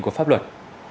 của pháp luật